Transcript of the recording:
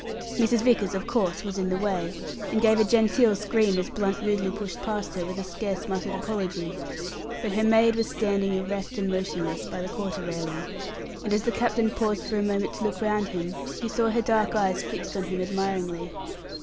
Mrs. Vickers, of course, was in the way, and gave a genteel scream as Blunt rudely pushed past her with a scarce muttered apology; but her maid was standing erect and motionless, by the quarter railing, and as the captain paused for a moment to look round him, he saw her dark eyes fixed on him admiringly.